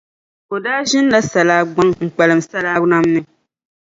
O daa ʒini la Salaagbaŋ kpalim Salaa Namni.